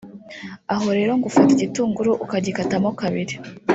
aha rero ngo ufata igitunguru ukagikatamo kabiri